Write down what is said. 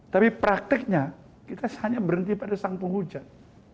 tapi praktiknya kita hanya berhenti pada sang penghujat